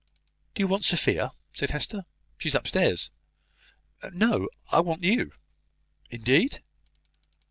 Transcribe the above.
"Do you want Sophia?" said Hester. "She is up stairs." "No; I want you." "Indeed!"